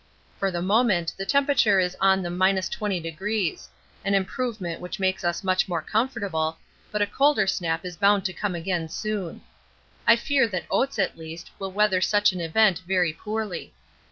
For the moment the temperature is on the 20° an improvement which makes us much more comfortable, but a colder snap is bound to come again soon. I fear that Oates at least will weather such an event very poorly.